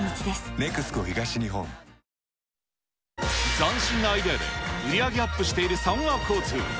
斬新なアイデアで売り上げアップしている三和交通。